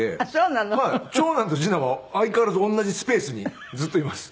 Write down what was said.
長男と次男は相変わらず同じスペースにずっといます。